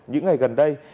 những ngày gần đây